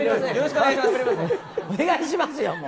お願いしますよ、もう。